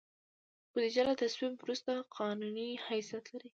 بودیجه له تصویب وروسته قانوني حیثیت لري.